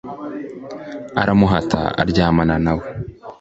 aramuhata aryamana na we.